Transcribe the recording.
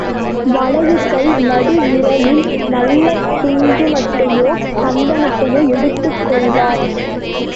வலது கை நடு விரலில் நல்ல குங்குமத்தையோ சாந்தையோ எடுத்துக் கொள்வார்.